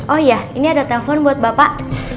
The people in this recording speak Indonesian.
oh iya ini ada telpon buat bapak